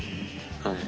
はい。